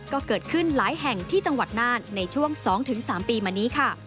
ก็เกิดขึ้นหลายแห่งที่จังหวัดน่านในช่วง๒๓ปีมานี้ค่ะ